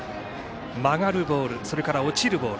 曲がるボールそれから落ちるボール。